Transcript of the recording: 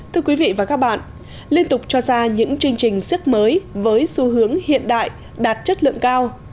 thưa quý vị và các bạn liên tục cho ra những chương trình siếc mới với xu hướng hiện đại đạt chất lượng cao